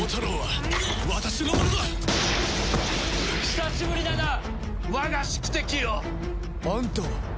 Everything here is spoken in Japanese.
久しぶりだな我が宿敵よ。あんたは！